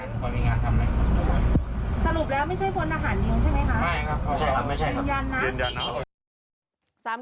ไม่ครับไม่ใช่ครับยืนยันนะ